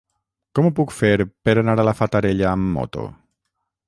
Com ho puc fer per anar a la Fatarella amb moto?